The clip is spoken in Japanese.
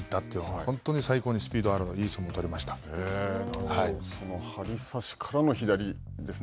本当に最高にスピードのあるいいその張り差しからの左ですね。